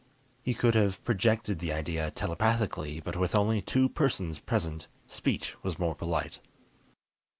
He could have projected the idea telepathically; but with only two persons present, speech was more polite.